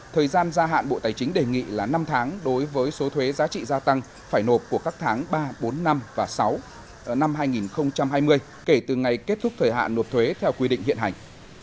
thời gian gia hạn bộ tài chính đề nghị là năm tháng đối với số thuế giá trị gia tăng phải nộp của các tháng ba bốn năm và sáu năm hai nghìn hai mươi kể từ ngày kết thúc thời hạn nộp thuế theo quy định hiện hành